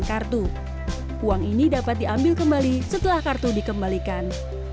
di awal pembelian kartu anda dapat diambil kembali setelah kartu dikembalikan